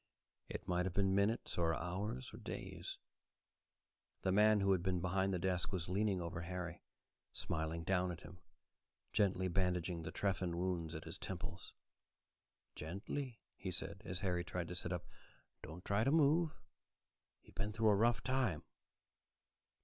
It might have been minutes, or hours, or days. The man who had been behind the desk was leaning over Harry, smiling down at him, gently bandaging the trephine wounds at his temples. "Gently," he said, as Harry tried to sit up. "Don't try to move. You've been through a rough time."